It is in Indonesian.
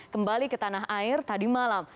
kembali ke tanah air tadi malam